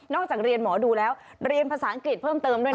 จากเรียนหมอดูแล้วเรียนภาษาอังกฤษเพิ่มเติมด้วยนะ